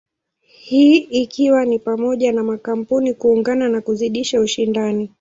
Hii ikiwa ni pamoja na makampuni kuungana na kuzidisha ushindani.